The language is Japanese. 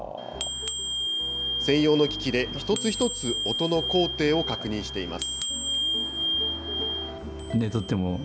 専用の機器で一つ一つ音の高低を確認しています。